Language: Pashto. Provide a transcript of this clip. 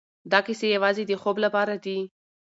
دا کيسې يوازې د خوب لپاره دي.